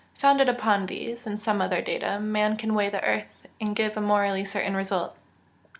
Founded upon these, and some other data, man can weigh the earth, and give a morally certain result!